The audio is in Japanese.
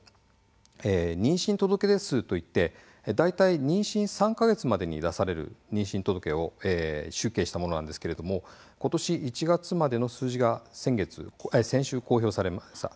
妊娠届出数といって妊娠３か月までに出される妊娠届を集計したものなんですがことし１月までの数字が先週、公表されました。